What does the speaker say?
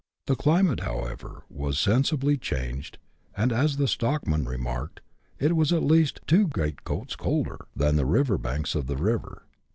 The climate, however, was sensibly changed, and, as the stockman remarked, it was at least " two great coats colder " than on the banks of the river.